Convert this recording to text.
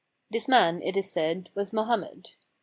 This man, it is said, was Mohammed.